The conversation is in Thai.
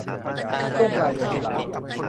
ช่วงปลายเดือนตุลา